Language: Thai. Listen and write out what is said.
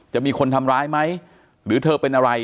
จะมีคนทำร้ายไหมหรือเธอเป็นอะไร